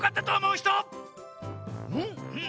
うん？